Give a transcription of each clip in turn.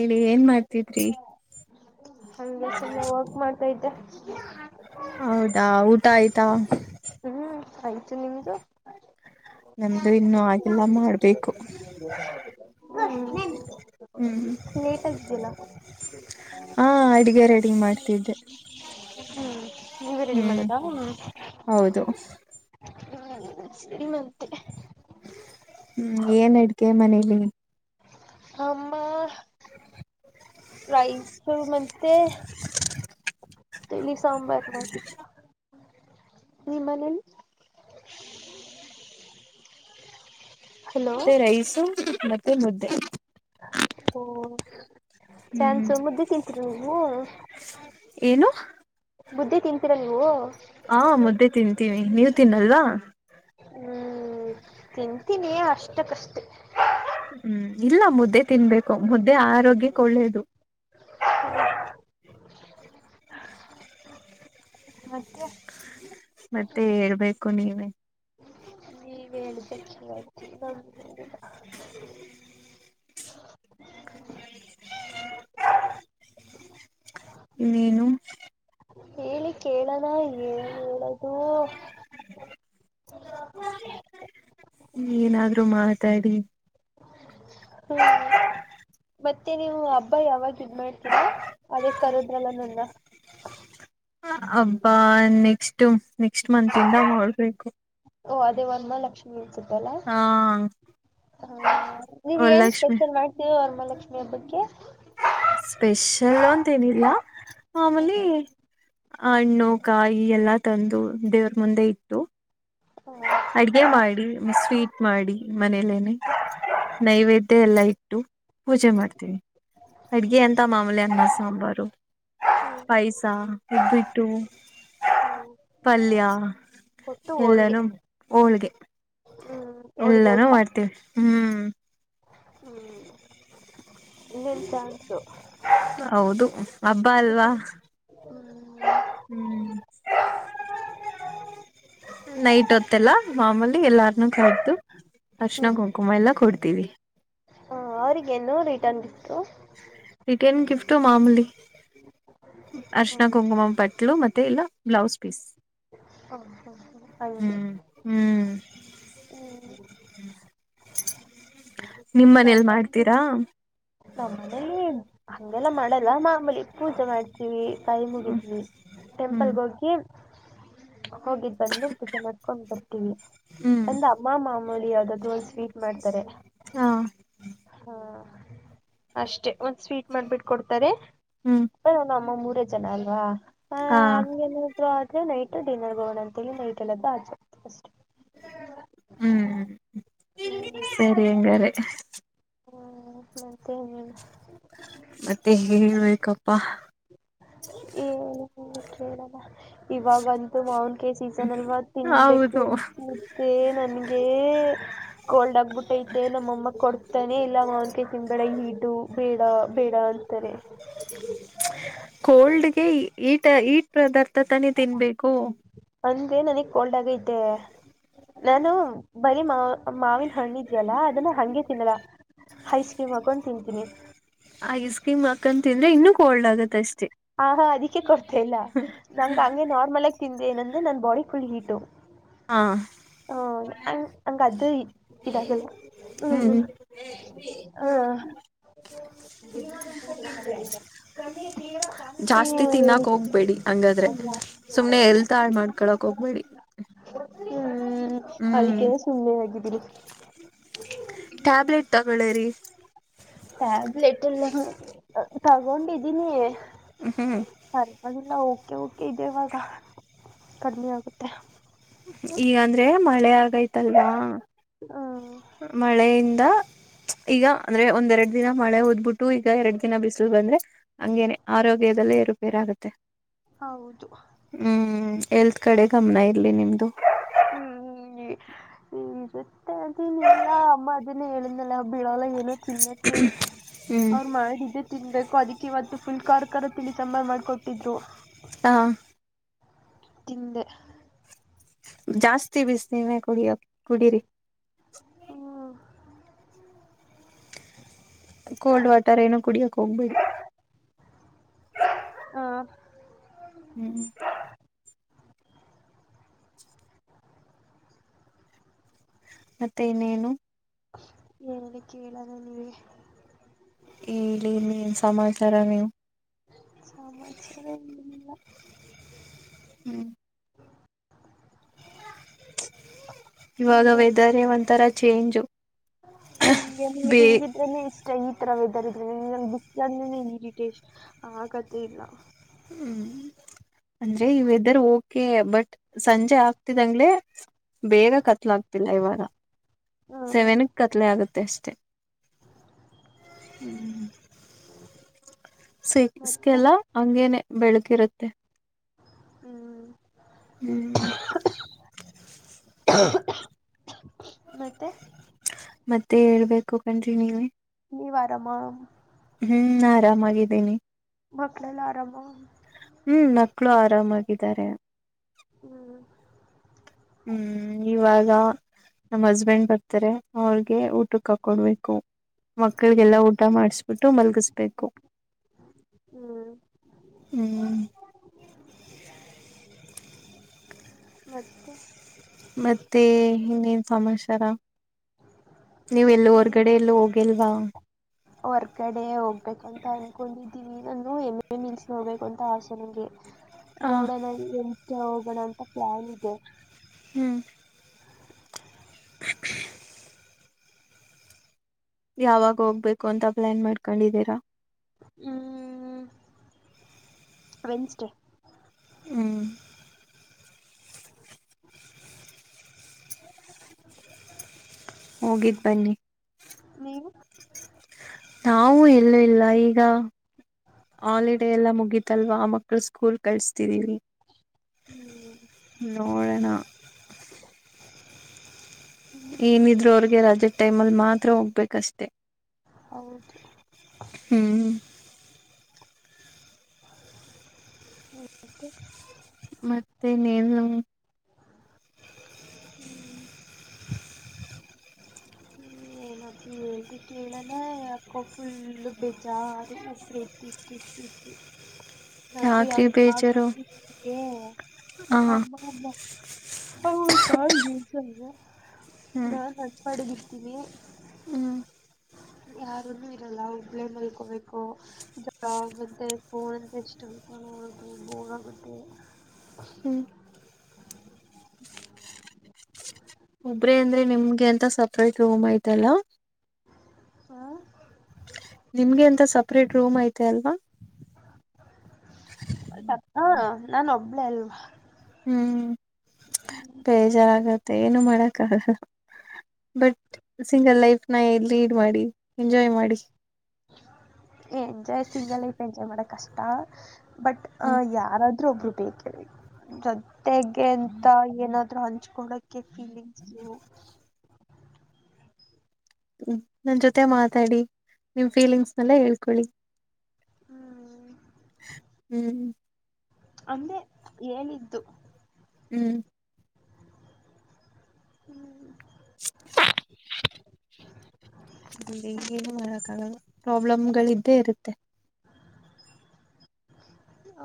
ಹೇಳಿ ಏನ್ ಮಾಡ್ತಿದ್ರಿ ಹಂಗೆ ಸುಮ್ಮನೆ ವರ್ಕ್ ಮಾಡ್ತಾ ಇದ್ದೆ. ಹೌದಾ ಊಟ ಆಯ್ತಾ ಹ್ಮ್ ಆಯ್ತು ನಿಮ್ದು ನಮ್ದು ಇನ್ನು ಆಗಿಲ್ಲ ಮಾಡ್ಬೇಕು. ಹ್ಮ್ ಲೇಟಾಗಿದ್ಯಲ್ಲ. ಅಡುಗೆ ರೆಡಿ ಮಾಡ್ತಿದ್ದೆ. ಹ್ಮ್ ನೀವೆ ರೆಡಿ ಹ್ಮ್ ಮಾಡದ? ಹೌದು ನಿ ಮಂತೆ ಹ್ಮ್ ಏನ್ ಅಡ್ಗೆ ಮನೇಲಿ? ಆಮ್ಮ ರೈಸ್ ಮತ್ತೆ ತಿಳಿ ಸಾಂಬಾರ್ ಮಾಡಿದ್ರು. ನೀ ಮನೇಲ್ ಮತ್ತೆ ರೈಸು ಮತ್ತೆ ಮುದ್ದೆ ಹೊ ಹ್ಮ್ ಚಾನ್ಸು ಮುುದ್ದಿ ತಿಂತೀರ ನೀವು ಏನು ಬುದ್ದಿ ತಿಂತೀರ ನೀವು? ಹಾ ಮುದ್ದೆ ತಿಂತೀವಿ ನೀವ್ ತಿನ್ನಲ್ವಾ ಹ್ಮ್ ತಿಂತೀನಿ ಅಷ್ಟಕ್ಕಷ್ಟೆ ಹ್ಮ್ ಇಲ್ಲ ಮುದ್ದೆ ತಿನ್ಬೇಕು ಮುದ್ದೆ ಆರೋಗ್ಯಕ್ಕೆ ಒಳ್ಳೇದು ಮತ್ತೆ ಮತ್ತೆ ಹೇಳ್ಬೇಕು ಕು ನೀವೇ ನೀವೇ ಹೇಳಿ [unintelligible] [inaudible] [unintelligible] ಇನ್ನೇನು ಹೇಳಿ ಕೇಳನ ಏನ್ ಹೇಳದು ಏನಾದ್ರೂ ಮಾತಾಡಿ ಹ್ಮ ಮತ್ತೆ ನೀವು ಹಬ್ಬ ಯಾವಾಗ ಇದ ಮಾಡಾತೀರಾ ಅದೇ ಕರೋದ್ರಲ್ಲ ನಂದ ಹಬ್ಬಾ ನೆಕ್ಸ್ಟ್ ನೆಕ್ಸ್ಟ್ ಮಂತ್ ಇಂದ ಮಾಡಬೇಕು ಓ ಅದೇ ವರಮಹಾಲಕ್ಷ್ಮೀ ನೀವ್ ಏನ್ ವರಲಕ್ಷ್ಮಿ ಸ್ಪೆಷಲ್ ಮಾಡ್ತೀರ ವರಮಹಾಲಕ್ಷ್ಮಿ ಲಕ್ಷ್ಮಿ ಹಬ್ಬಕ್ಕೆ ಸ್ಪೆಷಲ್ ಅಂತೇಏನಿಲ್ಲ ಮಾಮೂಲಿ ಹಣ್ಣು ಕಾಯಿ ಎಲ್ಲ ತಂದು ದೇವ್ರ ಮುಂದೆ ಇಟ್ಟು ಅಡ್ಗೆ ಮಾಡಿ ಸ್ವೀಟ್ ಮಾಡಿ ಮನೇಲೇನೆ ನೈವೇದ್ಯ ಎಲ್ಲ ಇತ್ತು [unintelligible] ಪೂಜೆ ಮಾಡ್ತೀವಿ ಅಡ್ಗೆ ಅಂತ ಮಾಮೂಲಿ ಅನ್ನ ಸಾಂಬಾರು ಪಾಯಸ ಉಪ್ಪಿಟ್ಟು ಪಲ್ಯ ಒಬ್ಬಟ್ಟು ಹೋಳ್ಗೆ ಎಲ್ಲಾನು ಹೋಳ್ಗೆ ಹ್ಮ್ ಹೋಳಿಗೆ ಎಲ್ಲಾನು ಊಟ ಮಾಡ್ತೀವಿ ಹ್ಮ್ ಹ್ಮ್ ಇನ್ನೇನ್ ಚಾನ್ಸು ಹೌದು ಹಬ್ಬಾ ಅಲ್ವಾ ಹ್ಮ್ ಹ್ಮ್ ನೈಟ್ ಹೊತ್ತಲ್ಲ ಮಾಮೂಲಿ ಎಲ್ಲಾರ್ನು ಕರ್ದು ಅರಿಸಿಣ ಹ್ಮ್ ಕುಂಕುಮ ಎಲ್ಲಾ ಕೊಡ್ತೀವಿ ಅವ್ರಗೇನು ರಿಟರ್ನ್ ಗಿಫ್ಟ್ ರಿಟನ್ ಗಿಫ್ಟು ಮಾಮೂಲಿ ಅರಿಸಿಣ ಹ್ಮ್ ಕುಂಕುಮ ಪಟ್ಲು ಮತ್ತೆ ಇಲ್ಲ ಬ್ಲೌಸ್ ಪೀಸ್ ಹ ಹಾ ಹ ಹಂಗೆ ಹ್ಮ್ ಹ್ಮ್ ಹ್ಮ್ ನಿಮ್ಮ್ ಮನೇಲ್ ಮಾಡ್ತೀರಾ ನಮ್ಮ ಮನೆಲಿ ಏನು ಹಂಗೆಲ್ಲಾ ಮಾಡಲ್ಲ ಮಾ ನಮ್ಮಲಿ ಪೂಜೆ ಮಾಡ್ತೀವಿ ಕೈ ಮುಗಿತೀವಿ ಹ್ಮ್ ಟೆಂಪಲ್ಗೆ ಹೋಗಿ ಹೋಗಿದ್ದ್ ಬಂದು ಪೂಜೆ ಮಾಡ್ಕೊಂಡ್ ಬರ್ತೀವಿ ಹ್ಮ್ ಬಂದ ಅಮ್ಮ ಮಾಮೂಲಿ ಯಾವ್ದಾದ್ರೂ ಒಂದು ಸ್ವೀಟ್ ಮಾಡ್ತಾರೆ ಹಾ ಹಾ ಅಷ್ಟೆ ಮತ್ ಸ್ವೀಟ್ ಮಾಡ್ಬಿಟ್ಟ ಕೊಡ್ತಾರೆ ಹ್ಮ್ [inaudible] ಮತ್ತೆ ಜನ ಅಲ್ವಾ ಹ ಹಾ ಹಂಗೆನಿದ್ರು ಅ ನೈಟ್ ಡಿನ್ನರ್ಗೆ ಹೋಗಣ ಅಂತೇಳಿ ನೈಟ್ ಎಲ್ಲದ್ದು ಆಚೆ ಅಷ್ಟೇ [unintelligible] ಹ್ಮ್ ಸರಿ ಎಂಗಾರೆ ಹ್ಮ ಮತ್ತೆ ಇನೇನು ಮತ್ತೆ ಹೇಬೇಕಪ್ಪಾ ಹೇಳಿ ನೀವೇ ಕೇಳ್ದಾ ಇವಾಗಂತೂ ಮಾವನ್ಕಯಿ ಸೀಸನ್ ಅಲ್ವಾ ತಿನ್ಬೇಕು ಹೌದು ಅನ್ಸುತ್ತೆ ನನ್ಗೆ ಕೋಲ್ಡ್ ಆಗ್ಬಿಟ್ಟೈತೆ ನಮ್ಮಮ್ಮ ಕೊಡ್ತ ತನೆ ಇಲ್ಲ ಮಾ ಅತಿ ತಿನ್ಬೇಡ ಹೀಟು ಬೇಡ ಬೇಡ ಅಂತಾರೆ ಕೋಲ್ಡ್ಗೆ ಈ ಇಟ್ ಹೀಟ್ ಪದಾರ್ಥ ತಾನೇ ತಿನ್ಬೇಕು ಅಂದೆ ನನಗ್ ಕೋಲ್ಡ್ ಆಗೈತೆ ನಾನು ಬರೀ ಮಾವ್ ಮಾವಿನ ಹಣ್ಣು ಇದ್ಯಲ್ಲಾ ಅದನ್ನ ಹಂಗೆ ತಿನ್ನಲ್ಲ ಹೈಕ್ರೀಮ್ ಹಾಕೊಂಡು ತಿಂತೀನಿ ಐಸ್ ಕ್ರೀಮ್ ಹಾಕಂತಿಂದ್ರೆ ಇನ್ನುೂ ಕೋಲ್ಡ್ ಆಗತ್ ಅಷ್ಟೆ ಹ ಹಾ ಅದಕ್ಕೆ ಕೊಡ್ತ ಇಲ್ಲ ನಂ ಹಂಗೆ ನಾರ್ಮಲ್ ಆಗಿ ತಿಂದೆ ಏನಂದ್ರೆ ನನ್ ಬಾಡಿ ಫುಲ್ ಹೀಟ ಹಾ ಹಾ [inaudible] ಹಂಗ ಅದು ಇದಾಗೆಲ್ಲ ಹ್ಮ್ ಹ್ಮ್ ಹ್ಮ ಜಾಸ್ತಿ ತಿನ್ನಕ್ ಹೋಗ್ಬೇಡಿ ಹಂಗಾದ್ರೆ ಸುಮ್ನೆ ಎಲ್ತಾಳ್ ಮಾಡ್ಕೊಳಕ್ ಹೋಗ್ಬೇಡಿ ಹ್ಮ್ ಹ್ಮ್ ಅದಕ್ಕೆ ಸುಮ್ಮನೆ ಆಗಿದ್ದೀನಿ ಟ್ಯಾಬ್ಲೆಟ್ ತಗೊಳ್ಳೇರಿ ಟ್ಯಾಬ್ಲೆಟ್ ಎಲ್ಲ ತಗೊಂಡಿದೀನಿ ಹ್ಮ ಅದೆಲ್ಲ ಓಕೆ ಓಕೆ ಇದೆ ಇವಾಗ ಕಡಿಮಿ ಆಗುತ್ತೆ ಈಗಂದ್ರೆ ಮಳೆ ಐತಲ್ವಾ ಹ್ಮ್ ಈಗ ಅಂದ್ರೆ ಒಂದ್ ಎರಡ್ ದಿನ ಮಳೆ ಹದ್ಬಿಟ್ಟು ಈಗ ಎರಡ್ ದಿನ ಬಿಸಿಲು ಬಂದ್ರೆ ಹಂಗೇನೆ ಆರೋಗ್ಯದದಲ್ಲಿ ಏರು ಪೇರ್ ಆಗುತ್ತೆ ಹೌದು ಹ್ಮ್ ಎಲ್ತ್ ಕಡೆ ಗಮನ ಇ ಇಲ್ಲಿ ನಿಮ್ದು ಈ ಇವತ್ತೆ ಅದನೆಲ್ಲಾ ಅಮ್ಮ ಅದನ್ನೇ ಹೇಳದ್ಲಲ್ಲಾ ಬಿಳಲ್ಲಾ ಏನು ತಿನ್ನಕ್ಕೆ ಹ್ಮ್ ಅವ್ರು ಮಾಡಿದ್ದೆ ತಿನ್ನಬೇಕ್ ಕೊ ಅದೀಕ್ಕೆ ಇವತ್ತು ಫುಲ್ ಕಾರ್ಕರ ತಿಳಿ ಸಾಂಬರ್ ಮಾಡ್ಕೊಟ್ಟಿದ್ರು ಹಾ ತಿಂದೆ ಜಾಸ್ತಿ ಬಿಸ್ನೀರೇ ಕುಡಿಯ ಕುಡೀರಿ ಹ್ಮ್ ಕೋಲ್ಡ್ ವಾಟರ್ ಏನು ಕುಡಿಯಕ್ ಹೋಗ್ಬೇಡಿ ಹ ಹ್ಮ್ ಮತ್ತೆ ಇನ್ನೇನು ಹೇಳಿ ಕೇಳಣ ನೀವೇ ಹೇಳಿ ಇನ್ನೇನ್ ಸಮಾಚಾರ ನೀವು ಸಮಾಚಾರ ಏನಿಲ್ಲ ಹ್ಮ್ ಇವಾಗ ವೆದರೆ ಒಂತರಾ ಚೇಂಜು ಹಿಂಗೇನೆ ನೀನೀಗ ಬೇ ಹಿಂಗಿದ್ರೇನೆ ಇಷ್ ಛೆ ಈತರ ವೆದರ್ ಇದ್ರೆ ನಂಗ್ ಬುಕ್ ಅಂದ್ರೇನೆ ಈರಿಟೇಶನ್ ಆಗದ್ದೆ ಇಲ್ಲಾ ಹ್ಮ್ ಅಂದ್ರೆ ಈ ವೆದರ್ ಓಕೆ ಬಟ್ ಸಂಜೆ ಆಗ್ತಿದಂಗ್ಲೆ ಬೇಗ ಕತ್ಲ ಆಗ್ತಿಲ್ಲ ಇವಾಗ ಹಾ ಸೆವೆನ್ಕ್ ಕತ್ಲೆ ಆಗತ್ತೆ ಅಷ್ಟೆ ಹ್ಮ ಮತ್ತೆ ಸಿಕ್ಸ್ಕೆಲ್ಲಾ ಹಂಗೇನೆ ಬೆಳಕ್ ಇರತ್ತೆ ಹ್ಮ್. ಹ್ಮ್ ಮತ್ತೆ. ಮತ್ತೆ ಹೇಳ್ಬೇಕು ಕಂಡ್ರಿ ನೀವೆ. ನೀವ್ ಆರಾಮಾ ಹ್ಮ್ ಆರಾಮಾಗಿದ್ದೀನಿ. ಮಕ್ಕಳೆಲ್ಲ ಆರಾಮ. ಹ್ಮ್ ಮಕ್ಳು ಆರಾಮಾಗಿದ್ದಾರೆ. ಹ್ಮ್. ಹ್ಮ್ ಇವಾಗಾ ನಮ್ ಹಸ್ಬೆಂಡ್ ಬತ್ತರೆ ಅವ್ರಗೆ ಊಟಕ್ ಹಾಕ್ ಕೊಡ್ಬೇಕು. ಮಕ್ಕಳಿಗೆಲ್ಲಾ ಊಟ ಮಾಡಿಸಬಿಟ್ಟು ಮಲಗಿಸ್ಬೇಕು ಹ್ಮ್ ಹ್ಮ್. ಮತ್ತೆ. ಮತ್ತೆ ಇನ್ನೇನ್ ಸಮಾಚಾರ. ನೀವ್ ಎಲ್ಲೂ ಹೊರ್ಗಡೆ ಎಲ್ಲೂ ಹೋಗಿಲ್ವಾ. ಹೊರರ್ಗಡೆ ಹೋಗ್ಬೇಕಂತ ಅನ್ಕೊಂಡಿದ್ದೀವಿ ನಾನು ಎಮ್ಮೆ ನಿಲ್ಸ ಹೋಗಬೇಕು ಅಂತ ಆಸೆ ನಂಗೆ. ಹ ನೋಡೋಣ ಎಂತ ಹಣ ಅಂತ ಪ್ಲಾನ್ ಇದೆ. ಹ್ಮ್. ಯಾವಾಗ ಹೋಗ್ಬೇಕು ಅಂತ. ಪ್ಲಾನ್ ಮಾಡ್ಕೊಂಡಿದ್ದೀರಾ. ಹ್ಮ್ ವೆನ್ಸ್ಡೇ. ಹ್ಮ್. ಹೋಗಿದ ಬನ್ನಿ. ನೀವು ನಾವವು ಎಲ್ಲೂ ಇಲ್ಲ ಈಗ ಹಾಲಿಡೇ ಎಲ್ಲ ಮುಗೀತಲ್ವಾ ಆ ಮಕ್ಳು ಸ್ಕೂಲ್ ಕಳಸ್ತಿದೀವಿ. ಹ್ಮ್. ಒರನ. ಹ್ಮ್ ಏನಿದ್ರು ಅವ್ರಿಗೆ ರೆ. ಟೈಮ್ ಅಲ್ಲಿ ಮಾತ್ರ ಹೋಗ್ಬೇಕಷ್ಟೇ. ಹೌದು. ಹ್ಮ್. ಹು. ಮತ್ತೆ ನೀನು. ಹ್ಮ್ ಏನಪ್ಪ ಹೇಳ್ದ ಕೇಳಣ ಯಾಕೋ ಫುಲ್ಲು ಬೇಜಾರ ಒಬ ಇತ್ತು ಇತ್ತು ಇತ್ತು ಇತ್ತು. ನನ್ಗೂ ಯಾಕ್ರಿ ಯಾರು ಹ. ಬೇಜಾರು ಹ ಹ್ಮ್ ನಾನ್ ಅನ್ ಮಾಡಡಿದ್ದ ಇಷ್ಟ. ನೀಮ. ಹ್ಮ್ ಯಾರನು ಇರಲ್ಲ ಹುಬ್ಳ ಮಲ್ಕೋಬೇಕು ಜ ಮತ್ತೆ ಫೋನ್ ಅಂತ ಇಷ್ಟ ಹೋಗ ಮತ್ತೆ. ಹ್ಮ್. ಒಬ್ರೇ ಅಂದ್ರೆ ನಿಮ್ಗೆ ಎಂತ ಸಪ್ರೇಟ್ ರೂಮ್ ಆಯತಲ್ಲ ಹ್ಮ ನಿಮ್ಗೆ ಎಂತ ಸಪ್ರೇಟ್ ರೂಮ್ ಐತೆ ಅಲ್ವಾ ಹ ಹಾ ನಾನ ಒಬ್ಳೇ ಅಲ್ವಾ ಹ್ಮ್ ಬೇಜಾರಾಗತ್ತೆ ಏನು ಮಾಡಕ ಬಟ್ ಸಿಂಗಲ್ ಲೈಫ್ ನ ಎಲ್ಲಿ ಲೀಡ್ ಮಾಡಿ ಎಂಜಾಯ್ ಮಾಡಿ ಎಜಾಯ್ ಸಿಂಗ ಇಪ್ಪ ಎಜ್ ಮಾಡಡ ಕಷ್ಟ ಬಟ್ ಅ ಹ್ಮ್ ಯಾರಾದ್ರೂ ಒಬ್ರು ಬೇಕೇ ಬೇಕು ಜೊತೆಗೆ ಎಂತ ಏನಾದ್ ಹಂಚ್ಕೊಳಕ್ಕೆ ಫೀಲಿಂಗ್ಸ ನನ್ ಜೊತೆ ಮಾತಾಡಿ ನಿಮ್ ಫೀಲಿಂಗ್ಸ್ನೆಲ್ಲ ಹೇಳ್ಕೊಳ್ಳಿ ಹ್ಮ್ ಹ್ಮ್ ಅಂದೆ ಏನಿದ್ದು ಹ್ಮ್ ಹ್ಮ್ ಹ ಅ ಏನು ಮಾಡಕ್ಕಾಗಲ್ಲ ಪ್ರಾಬ್ಲಮ್ಗಳ ಇದಿದ್ದೇ ಇರುತ್ತೆ ಹ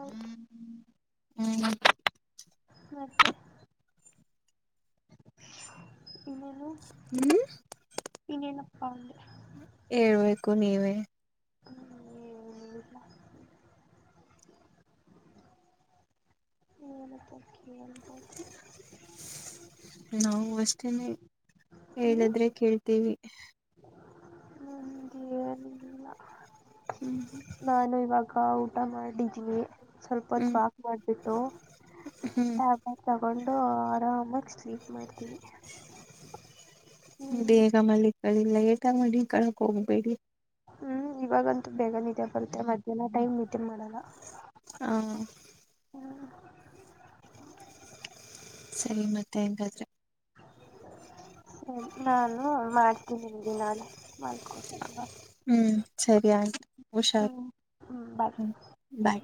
ಹ್ಮ್ ಮತ್ತೆ ಇನ್ನೇನು ಹ್ಮ್ ಇನ್ನನು ಹೌದು ಹೇಳ್ಬೇಕು ನೀವೇ ಹ ಹ್ಮಕ ನಾವು ಅಷ್ಟೇನೆ ಹ್ಞೂ ಹೇಳಾದ್ರೆ ಕೇಳ್ತೀವಿ ಎಫ್ ನಂದು ಏನಿಲ್ಲ ಹ್ಮ್ ನಾನು ಇವಾಗ ಕ್ಕಾ ಊಟ ಮಾಡಿದ್ವಿ ಸ್ವಲ್ಪತ್ತು ಹ್ಮ್ ವಾಕ್ ಮಾಡಬಿಟ್ಟು ಹ್ಮ್ ಆ ತಗೊಂಡ್ ಆರಾಮಾಗಿಸಲಿ ಮಾಡ್ತೀವಿ ಹ್ಮ್ ಹ್ಮ ಕ ಲೇಟ್ ಆಗ ಮಾಲೀಕಳಾಕ್ ಹೋಗ್ಬೇಡಿ ಹ್ಮ್ ಇವಾಗಂತೂ ಬೇಗ ನಿಿದ್ದೆ ಬರುತ್ತೆ ಮಧ್ಯಾಹ್ನ ಟೈಮ್ ನಿದ್ದೆ ಮಾಡಲ್ಲ ಹ ಸರಿ ಮತ್ತೆ ಹೆಂಗಾದ್ರೆ ಸರಿ ನಾನು ಮಾಡ್ತೀನಿಲ್ಲಿ ನಾಳೆ ಮಲ್ಕೋ ಬೈ ಸರಿ ಸರಿ ಆಯ್ತು ಹುಷಾರು ಹ್ಮ್ ಬಾಯ್ ಬೈ